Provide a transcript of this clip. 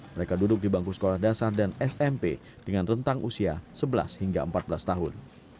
mereka duduk di bangku sekolah dasar dan smp dengan rentang usia sebelas hingga empat belas tahun